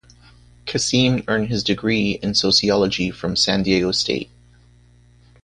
Kassim earned his degree in Sociology from San Diego State.